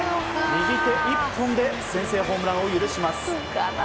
右手一本で先制ホームランを許します。